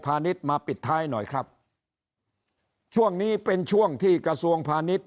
ณิชย์มาปิดท้ายหน่อยครับช่วงนี้เป็นช่วงที่กระทรวงพาณิชย